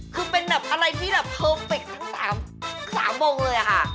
คือเป็นแบบอะไรที่แบบเพอร์เฟคทั้ง๓วงเลยค่ะ